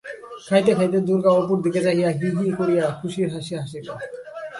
খাইতে খাইতে দুর্গা অপুর দিকে চাহিয়া হি হি করিয়া খুশির হাসি হাসিল।